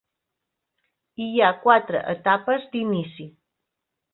Hi ha quatre etapes d'inici.